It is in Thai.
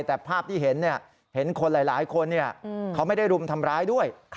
แต่ภาพที่เห็นเห็นคนหลายคนเขาไม่ได้รุมทำร้ายด้วย